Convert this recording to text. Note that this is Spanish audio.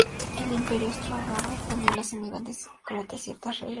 El Imperio austrohúngaro imponía a los inmigrantes croatas ciertas reglas.